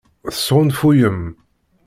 Tesɣunfuyem.